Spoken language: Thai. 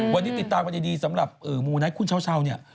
วันนี้ติดตามกันอย่างดีสำหรับมูนัทคุณชาวเนี่ย